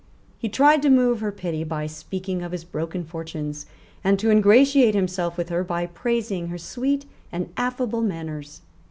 He tried to move her pity by speaking of his broken fortunes, and to ingratiate himself with her by praising her sweet and affable manners.